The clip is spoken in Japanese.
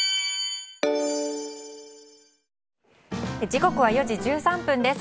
時刻は４時１３分です。